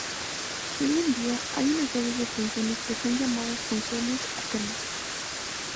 Hoy en día, hay una serie de funciones que son llamadas funciones Ackermann.